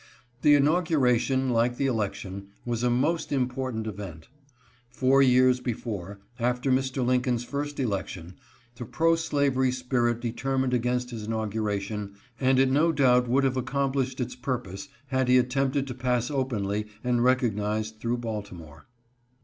The inauguration, like the election, was a most import ant event. Four years before, after Mr. Lincoln's first election, the pro slavery spirit determined against his in auguration, and it no doubt would have accomplished its 440 , LINCOLN'S INAUGURATION. purpose had he attempted to pass openly and recognized through Baltimore.